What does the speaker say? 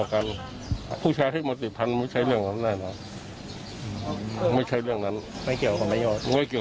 คอบเยอะคอบแหลก